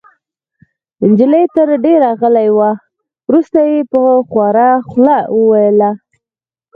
نجلۍ تر دېره غلې وه. وروسته يې په خواره خوله وویل: